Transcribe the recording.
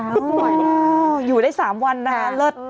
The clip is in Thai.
โอ้โฮอยู่ได้๓วันนะคะเลิศ